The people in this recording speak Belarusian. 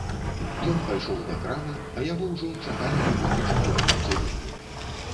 Ён пайшоў да крамы, а яго ўжо чакалі некалькі чалавек у цывільным.